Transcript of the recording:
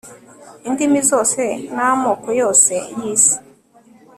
indimi zose n'amoko yose yisi